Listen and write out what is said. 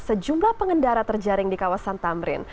sejumlah pengendara terjaring di kawasan tamrin